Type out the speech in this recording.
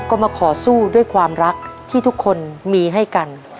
ก็มาขอสู้ด้วยความรักที่ทุกคนมีให้กัน